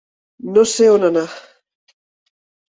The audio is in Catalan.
No sé on anar.